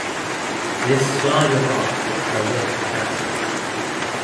This sly remark gets her wedding cancelled.